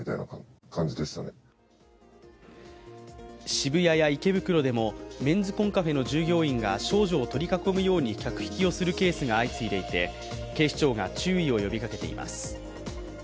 渋谷や池袋でもメンズコンカフェの従業員が少女を取り囲むように、客引きをするケースが相次いでいて警視庁が注意を呼びかけています。